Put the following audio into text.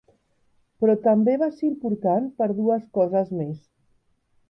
Però també va ser important per dues coses més.